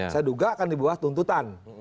saya duga akan dibuat tuntutan